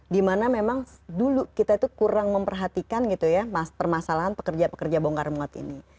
dimana memang dulu kita itu kurang memperhatikan gitu ya permasalahan pekerja pekerja bongkar muat ini